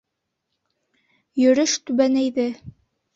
Йөрөш түбәнәйҙе